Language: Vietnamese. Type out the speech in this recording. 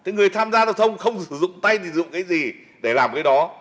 người tham gia tập thông không sử dụng tay thì sử dụng cái gì để làm cái đó